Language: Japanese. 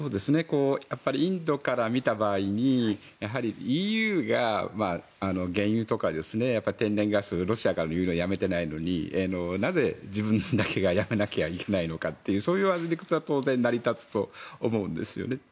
インドから見た場合にＥＵが原油とか天然ガスロシアからの輸入をやめていないのになぜ、自分だけがやめなきゃいけないのかというそういう理屈は当然成り立つと思うんですよね。